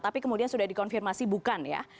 tapi kemudian sudah dikonfirmasi bukan ya